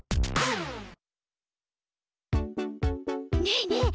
ねえねえ